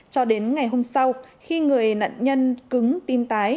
cho đến ngày hôm sau khi người nạn nhân cứng tim tái